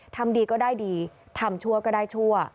ทำดีก็ได้ดีทำชั่วก็ได้ชั่ว